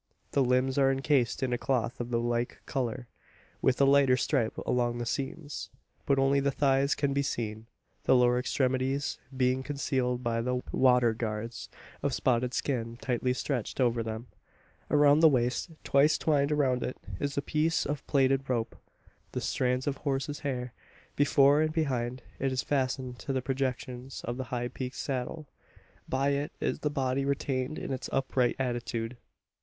The limbs are encased in a cloth of the like colour, with a lighter stripe along the seams. But only the thighs can be seen the lower extremities being concealed by the "water guards" of spotted skin tightly stretched over them. Around the waist twice twined around it is a piece of plaited rope, the strands of horse's hair. Before and behind, it is fastened to the projections of the high peaked saddle. By it is the body retained in its upright attitude.